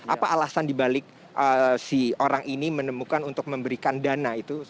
apa alasan dibalik si orang ini menemukan untuk memberikan dana itu